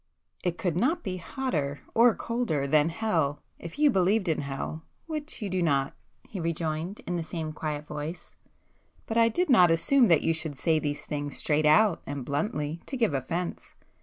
"It could not be hotter—or colder—than hell, if you believed in hell, which you do not,"—he rejoined, in the same quiet voice—"But I did not assume that you should say these things straight out and bluntly, to give offence.